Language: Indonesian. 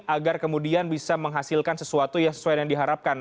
agar kemudian bisa menghasilkan sesuatu yang sesuai dengan yang diharapkan